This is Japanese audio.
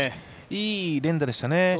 いい連打でしたね。